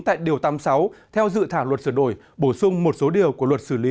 tại điều tám mươi sáu theo dự thảo luật sửa đổi bổ sung một số điều của luật xử lý